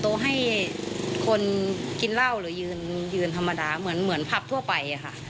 โต๊ะให้คนกินเล่าหรือยืนอยืนธรรมดาเหมือนภัพร์ทั่วไปนะคะ